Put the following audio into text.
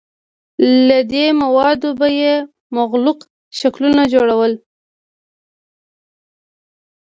له دې موادو به یې مغلق شکلونه جوړول.